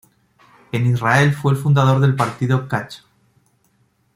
En Israel fue el fundador del partido Kach.